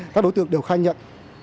các đối tượng đều khai nhận